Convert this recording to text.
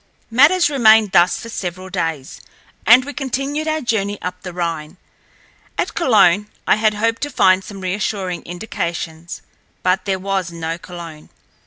Matters remained thus for several days, and we continued our journey up the Rhine. At Cologne, I had hoped to find some reassuring indications, but there was no Cologne.